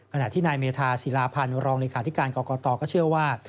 ขณะที่นายเมธาศิลาพันธ์รองเลขาธิการกรกตก็เชื่อว่า